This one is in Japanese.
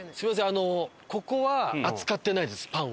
あのここは扱ってないですパンは。